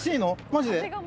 マジで？